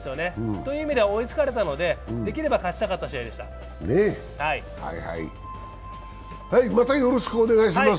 という意味では追いつかれたのでできれば勝ちたかった試合でしたまたよろしくお願いします。